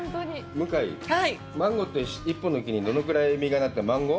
向井、マンゴーって１本の木にどのぐらいの実がなったマンゴー？